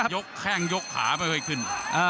ยกแข้งยกขาไม่เคยขึ้น